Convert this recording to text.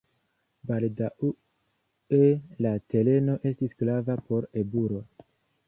Baldaŭe la tereno estis grava por eburo.